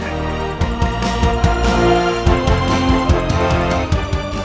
dan ini adalah guru